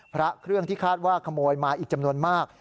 พระเครื่องที่คาดว่าขโมยมาอีกจำนวนมาก